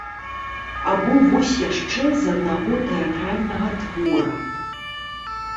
Або вось яшчэ з аднаго тэатральнага твора.